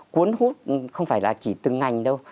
cuốn hút không phải là chỉ từng ngành đâu